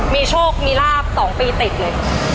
มีโชคมีลาบ๒ปีติดเลย